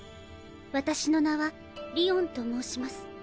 私の名はりおんと申します。